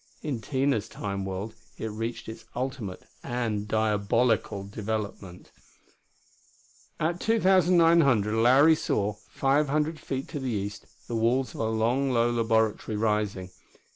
In Tina's Time world it reached its ultimate and diabolical development.... At 2900, Larry saw, five hundred feet to the east, the walls of a long low laboratory rising.